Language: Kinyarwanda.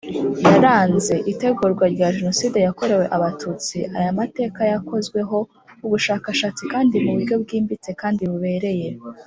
yaranze itegurwa rya Jenoside yakorewe Abatutsi aya mateka yakozweho ubushakashatsi kandi muburyo bwimbitse kandi bubereye.